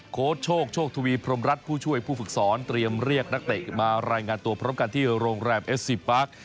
โค้ชโชคโชคทวีพรมรัฐผู้ช่วยผู้ฝึกสอนเตรียมเรียกนักเตะมารายงานตัวพร้อมกันที่โรงแรมเอสซีปาร์ค